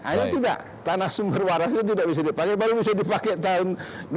ayo tidak tanah sumber waras itu tidak bisa dipakai baru bisa dipakai tahun dua ribu tujuh belas